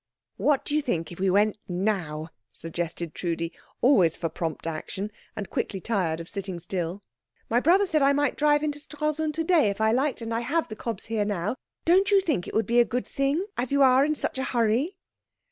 "What do you think if we went now?" suggested Trudi, always for prompt action, and quickly tired of sitting still. "My brother said I might drive into Stralsund to day if I liked, and I have the cobs here now. Don't you think it would be a good thing, as you are in such a hurry?"